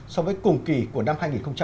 so với cùng kỳ của năm hai nghìn một mươi tám